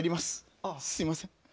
すいません。